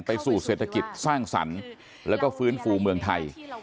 สู่เศรษฐกิจสร้างสรรค์แล้วก็ฟื้นฟูเมืองไทย